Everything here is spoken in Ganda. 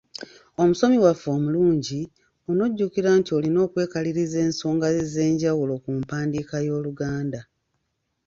"Omusomi waffe omulungi, on'ojjukira nti olina okwekaliriza ensonga ez’enjawulo ku mpandiika y’Oluganda."